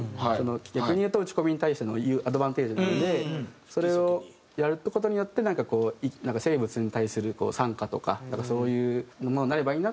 逆にいうと打ち込みに対してのアドバンテージなのでそれをやる事によってなんかこう生物に対する賛歌とかそういうものになればいいなと思って。